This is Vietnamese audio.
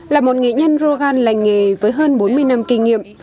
là một nghệ nhân rogan lành nghề với hơn bốn mươi năm kinh nghiệm